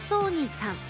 さん。